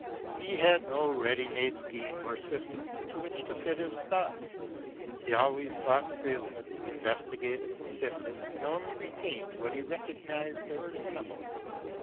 He had no ready made scheme or system into which to fit his thoughts; he always thought freely, investigated, sifted and only retained what he recognised as tenable.